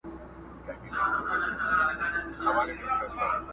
نه یې حال نه یې راتلونکی معلومېږي،